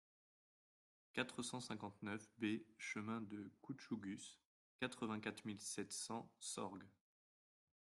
quatre cent cinquante-neuf B chemin de Coutchougus, quatre-vingt-quatre mille sept cents Sorgues